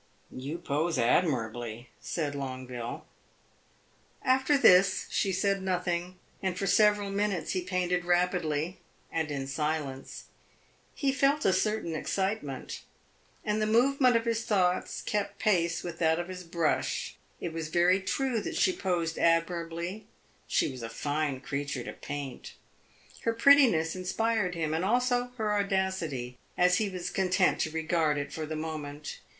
"You pose admirably," said Longueville. After this she said nothing, and for several minutes he painted rapidly and in silence. He felt a certain excitement, and the movement of his thoughts kept pace with that of his brush. It was very true that she posed admirably; she was a fine creature to paint. Her prettiness inspired him, and also her audacity, as he was content to regard it for the moment.